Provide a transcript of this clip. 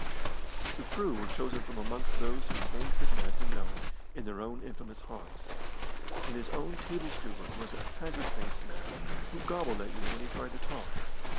The crew were chosen from amongst those whom Banks had met and known in their own infamous haunts, and his own table steward was a haggard faced man, who gobbled at you when he tried to talk.